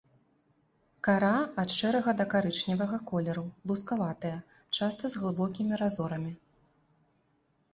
Кара ад шэрага да карычневага колеру, лускаватая, часта з глыбокімі разорамі.